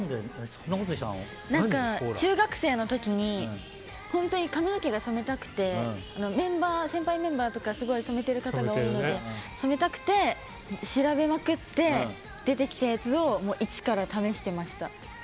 中学生の時に本当に髪を染めたくて先輩メンバーとかすごい染めてる方が多いので染めたくて調べまくって出てきたやつを一から試してました。